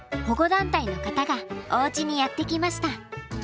保護団体の方がおうちにやって来ました。